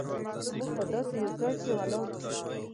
موږ په داسې یو ځای کې ولاړ وو.